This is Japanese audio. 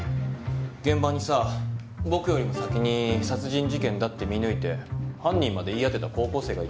現場にさ僕よりも先に殺人事件だって見抜いて犯人まで言い当てた高校生がいたんだ。